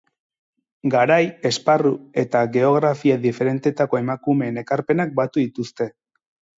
Garai, esparru eta geografia diferenteetako emakumeen ekarpenak batu dituzte.